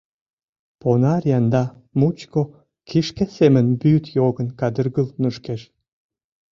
Понар янда мучко кишке семын вӱд йогын кадыргыл нушкеш.